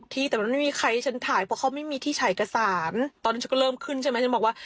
ตำรวจก็เฮ่ยเขาบอกว่า